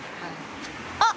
あっ！